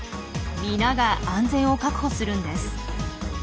皆が安全を確保するんです。